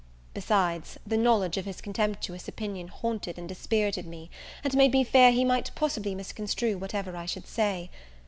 Besides, the knowledge of his contemptuous opinion haunted and dispirited me, and made me fear he might possibly misconstrue whatever I should say.